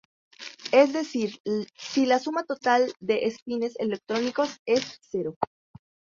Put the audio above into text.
Es decir si la suma total de espines electrónicos es cero.